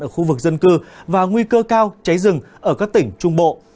ở khu vực dân cư và nguy cơ cao cháy rừng ở các tỉnh trung bộ